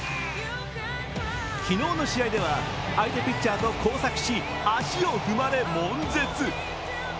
昨日の試合では相手ピッチャーと交錯し足を踏まれもん絶。